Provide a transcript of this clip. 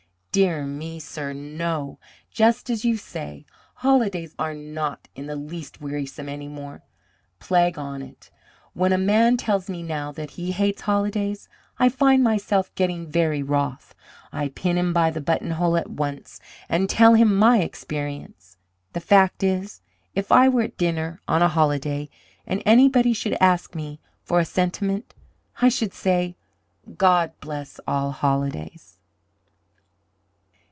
"Dear me, sir, no! Just as you say. Holidays are not in the least wearisome any more. Plague on it! When a man tells me now that he hates holidays, I find myself getting very wroth. I pin him by the buttonhole at once, and tell him my experience. The fact is, if I were at dinner on a holiday, and anybody should ask me for a sentiment, I should say, 'God bless all holidays!'"